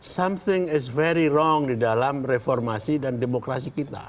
something is very wrong di dalam reformasi dan demokrasi kita